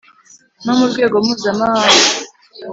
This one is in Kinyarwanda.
no mu rwego mpuzamahanga